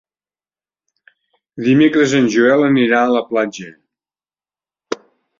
Dimecres en Joel anirà a la platja.